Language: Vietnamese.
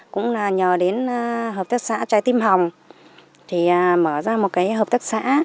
cũng là nhờ đến hợp tác xã trái tim hồng thì mở ra một cái hợp tác xã